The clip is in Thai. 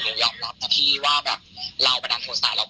ก็ยังหยอมกับที่แบบเราเป็นอันโนธสาหร่าง